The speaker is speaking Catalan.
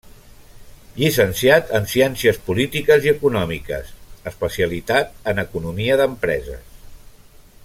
Llicenciat en Ciències Polítiques i Econòmiques, especialitat en Economia d'Empreses.